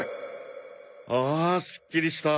ああすっきりした。